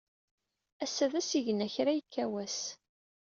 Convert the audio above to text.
Ass-a d asigna kra yekka wass.